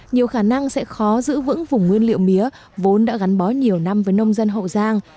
nhiều khả năng sẽ khó giữ vững vùng nguyên liệu mía vốn đã gắn bó nhiều năm với nông dân hậu giang